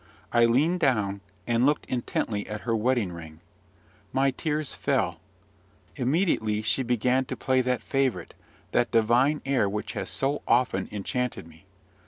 I leaned down, and looked intently at her wedding ring: my tears fell immediately she began to play that favourite, that divine, air which has so often enchanted me.